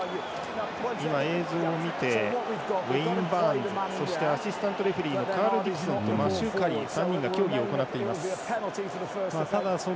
今、映像を見てウェイン・バーンズとアシスタントレフリーのカール・ディクソンとマシュー・カーリーの３人が協議を行っています。